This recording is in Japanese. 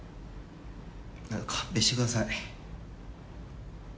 勘弁してください。